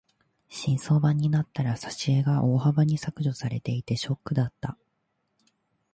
新装版になったら挿絵が大幅に削除されていてショックだった。